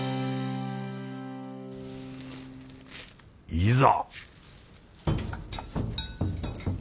いざ！